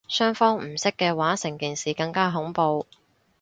雙方唔識嘅話成件事更加恐怖